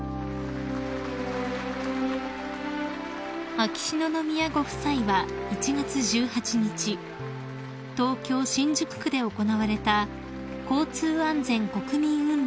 ［秋篠宮ご夫妻は１月１８日東京新宿区で行われた交通安全国民運動